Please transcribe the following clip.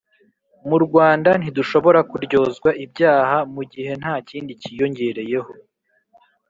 mu Rwanda ntidushobora kuryozwa ibyaba mu gihe nta kindi kiyongereyeho